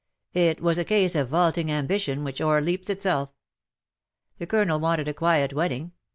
It was a case of vaulting ambition which over leaps itself. The Colonel wanted a quiet wed ding.